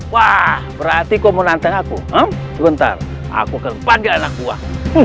wah berarti kamu nantang aku ntar aku kepadanya anak buah